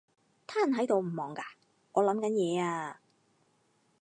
癱喺度唔忙㗎？我諗緊嘢呀